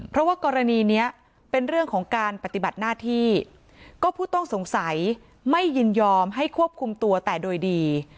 เพราะว่ากรณีนี้เป็นเรื่องของการปฏิบัติหน้าที่ก็ผู้ต้องสงสัยไม่ยินยอมให้ควบคุมตัวแต่โดยดี